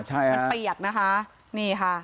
ใช่ค่ะมันเปียกนะคะนี่ค่ะ